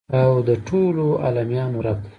او د ټولو عالميانو رب دى.